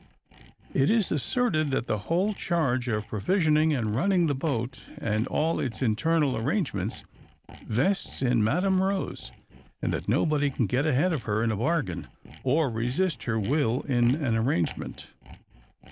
It is asserted that the whole charge of provisioning and running the boat, and all its internal arrangements, vests in Madam Rose; and that nobody can get ahead of her in a bargain, or resist her will in an arrangement.